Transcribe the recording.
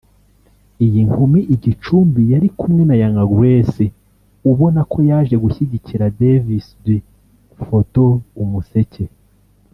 Iyi nkumi i Gicumbi yari kumwe na Young Grace ubona ko yaje gushyigikira Davis D (Photo/umuseke)